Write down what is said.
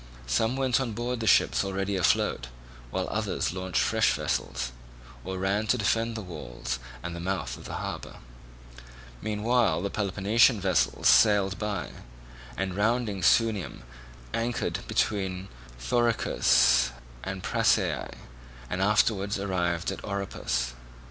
Some went on board the ships already afloat, while others launched fresh vessels, or ran to defend the walls and the mouth of the harbour. Meanwhile the Peloponnesian vessels sailed by, and rounding Sunium anchored between Thoricus and Prasiae, and afterwards arrived at Oropus.